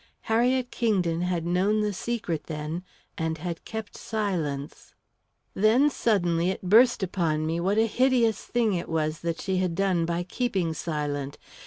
Harriet Kingdon had known the secret, then, and had kept silence. Then, suddenly, it burst upon me what a hideous thing it was that she had done by keeping silent.